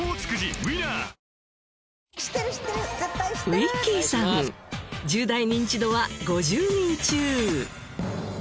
ウィッキーさんの１０代ニンチドは５０人中。